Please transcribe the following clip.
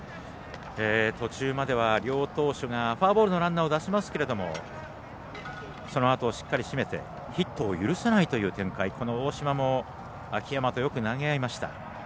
途中までは両投手がフォアボールのランナーを出しますけどそのあと、しっかり締めてヒットを許さないという展開、この大嶋も秋山とよく投げ合いました。